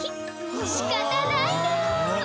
しかたないの。